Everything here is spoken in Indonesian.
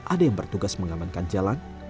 ada yang bertugas mengamankan jalan